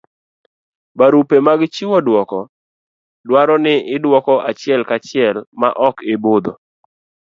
barupe mag chiwo duoko dwaro ni iduoko achiel ka chiel ma ok ibudho